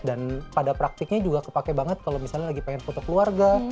dan pada praktiknya juga kepake banget kalau misalnya lagi pengen foto keluarga